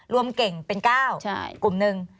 รวมเก่งเป็น๙กลุ่มหนึ่ง